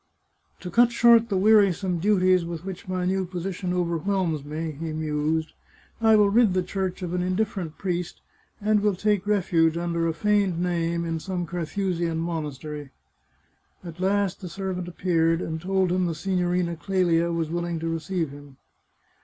" To cut short the wearisome duties with which my new position overwhelms me," he mused, " I will rid the Church of an indifferent priest, and will take refuge, under a feigned name, in some Carthusian monastery." At last the servant appeared, and told him the Signorina Clelia was willing to receive him.